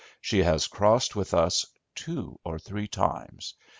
She has crossed with us two or three times.